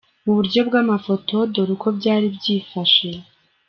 Muburyo bw’amafoto dore uko byari byifashe :.